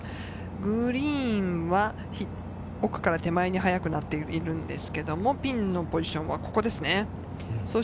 グリーンは奥から手前に速くなっているんですけれど、ピンのポジションはここです。